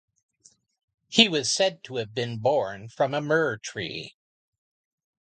He was said to have been born from a myrrh-tree.